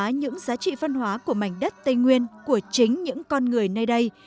và những giá trị văn hóa của mảnh đất tây nguyên của chính những con người nơi đây